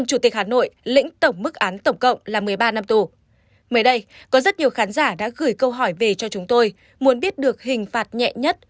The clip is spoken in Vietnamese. nhiều khán giả đã gửi câu hỏi về cho chúng tôi muốn biết được hình phạt nhẹ nhất